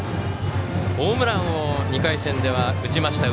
ホームランを２回戦では打ちました。